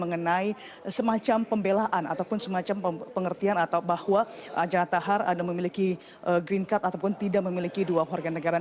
mengenai semacam pembelaan ataupun semacam pengertian atau bahwa archand tahar ada memiliki green card ataupun tidak memiliki dua warga negara